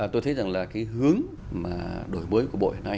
tôi thấy rằng là cái hướng mà đổi mới của bộ hiện nay